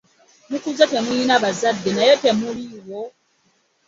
Mukuze temulina bazadde naye temuliiwo?